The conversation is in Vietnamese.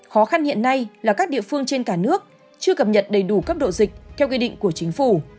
khó khăn hiện nay là các địa phương trên cả nước chưa cập nhật đầy đủ cấp độ dịch theo quy định của chính phủ